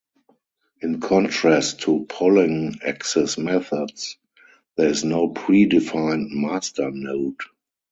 In contrast to polling access methods, there is no pre-defined "master" node.